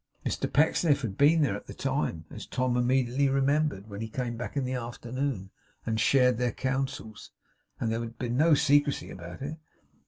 Mr Pecksniff had been there at the time; as Tom immediately remembered, when he came back in the afternoon, and shared their counsels; and there had been no secrecy about it.